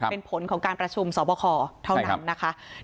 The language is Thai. เป็นผลของการประชุมสอบคอเท่านั้นนะคะ